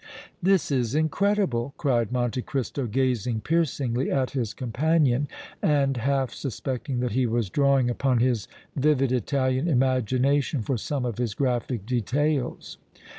"This is incredible!" cried Monte Cristo, gazing piercingly at his companion and half suspecting that he was drawing upon his vivid Italian imagination for some of his graphic details.